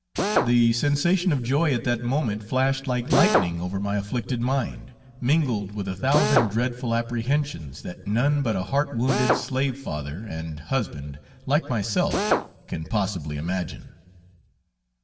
The sensation of joy at that moment flashed like lightning over my afflicted mind, mingled with a thousand dreadful apprehensions, that none but a heart wounded slave father and husband like myself can possibly imagine.